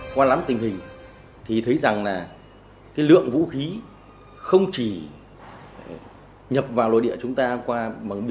qua lắm tình hình thì thấy rằng là cái lượng vũ khí không chỉ nhập vào lối địa chúng ta qua bên dưới